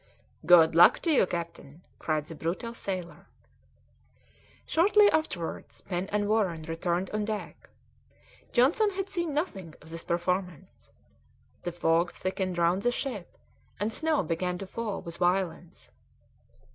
"Good luck to you, captain," cried the brutal sailor. Shortly afterwards Pen and Warren returned on deck. Johnson had seen nothing of this performance. The fog thickened round about the ship, and snow began to fall with violence.